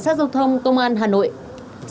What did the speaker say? phòng cảnh sát giao thông công an hà nội